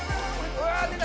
うわー、出た！